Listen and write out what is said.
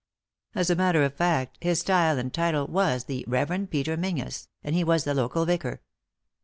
As a matter of fact, his style and title was the Rev. Peter Menzies, and he was the local vicar.